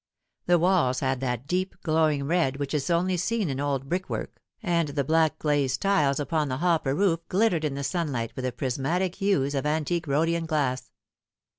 The walls had that deep glowing red which is only seen in old brickwork, and the black glazed tiles upon the hopper roof glittered in the sunlight with the prismatic hues of antique Rhodian glass.